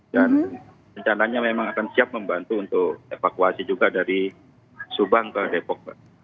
dan rencananya memang akan siap membantu untuk evakuasi juga dari subang ke depok